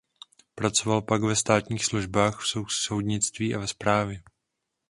Pracoval pak ve státních službách v soudnictví a ve správě.